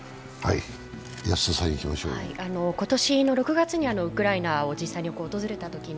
今年の６月にウクライナを実際に訪れたときに